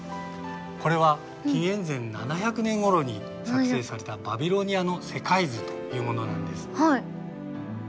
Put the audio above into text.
これは紀元前７００年ごろに作成されたバビロニアの世界図というものなんです。